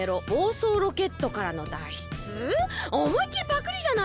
おもいっきりパクリじゃないの。